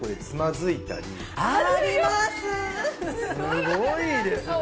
すごいですね。